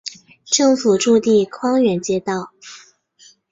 政府驻地匡远街道。